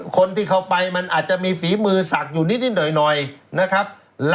คนที่เข้าไปมันอาจจะมีฝีมือศักดิ์อยู่นิดหน่อยนะครับ